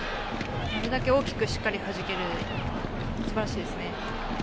あれだけ大きくしっかりはじけるのはすばらしいですね。